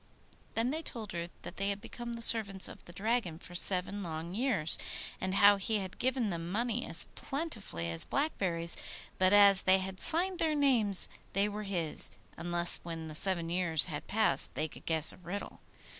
Then they told her that they had become the servants of the Dragon for seven long years, and how he had given them money as plentifully as blackberries; but as they had signed their names they were his, unless when the seven years had passed they could guess a riddle.